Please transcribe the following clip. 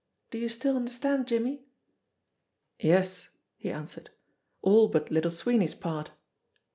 Do you still understand, Jimmie?" "Yes," he answered ; "all but Little Sweeney's part."